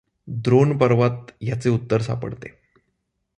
द्रोणपर्वात याचे उत्तर सापडते.